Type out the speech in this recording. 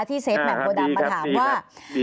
เฟฟแหม่มโพดำมาถามว่า